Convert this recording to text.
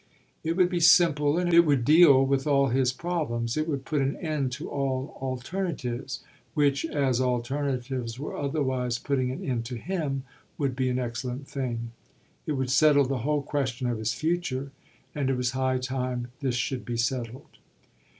It would be simple and it would deal with all his problems; it would put an end to all alternatives, which, as alternatives were otherwise putting an end to him, would be an excellent thing. It would settle the whole question of his future, and it was high time this should be settled.